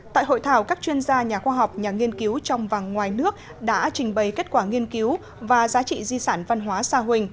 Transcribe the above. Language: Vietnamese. tại hội thảo các chuyên gia nhà khoa học nhà nghiên cứu trong và ngoài nước đã trình bày kết quả nghiên cứu và giá trị di sản văn hóa sa huỳnh